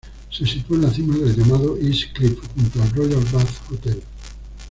Se sitúa en la cima del llamado East Cliff, junto al Royal Bath Hotel.